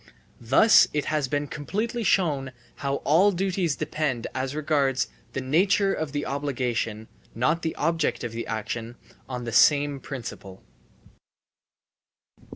Thus it has been completely shown how all duties depend as regards the nature of the obligation (not the object of the action) on the same principle.